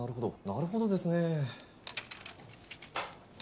なるほどですねえ。